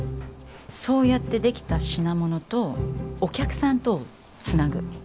そうやって出来た品物とお客さんとをつなぐ。